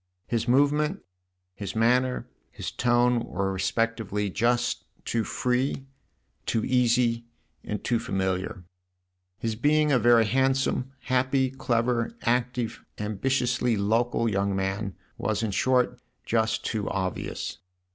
His movement, his manner, his tone were respectively just too free, too easy and too familiar; his being a very handsome, happy, clever, active, ambitiously local young man was in short just too obvious.